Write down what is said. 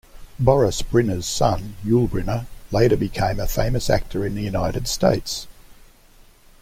Boris Brynner's son Yul Brynner later became a famous actor in the United States.